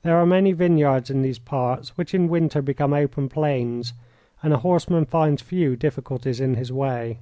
There are many vineyards in these parts which in winter become open plains, and a horseman finds few difficulties in his way.